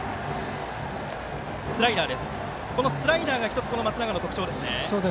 このスライダーが１つ松永の特徴ですね。